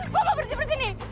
gue gak bersih bersih nih